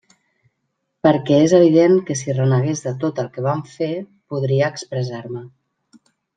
Perquè és evident que si renegués de tot el que vam fer, podria expressar-me.